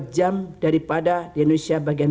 empat jam daripada di indonesia bagian